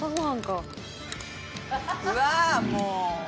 「うわー！もう」